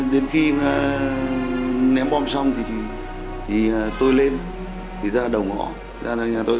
đến khi ném bom xong thì tôi lên thì ra đầu ngõ